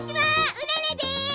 うららです！